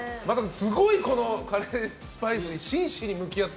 すごいですねカレー、スパイスに真摯に向き合って。